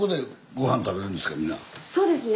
そうですね